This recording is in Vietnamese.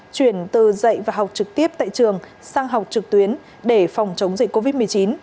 chuyển từ dạy và học trực tiếp tại trường sang học trực tuyến để phòng chống dịch covid một mươi chín